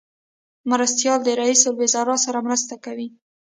مرستیالان د رئیس الوزرا سره مرسته کوي